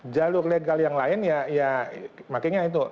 jalur legal yang lain ya makinnya itu